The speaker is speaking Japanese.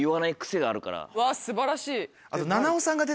うわ素晴らしい。